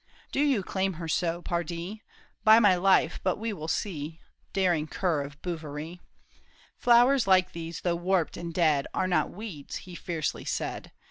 *' Do you claim her so, pardie ? By my life but we will see. Daring cur of Bouverie. Flowers like these though warped and dead, Are not weeds," he fiercely said.